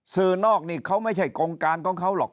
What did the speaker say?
นอกนี่เขาไม่ใช่กรงการของเขาหรอก